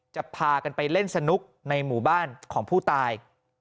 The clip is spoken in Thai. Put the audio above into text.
จะพากันไปเล่นสนุกในหมู่บ้านของผู้ตาย